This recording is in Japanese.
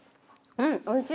うんおいしい！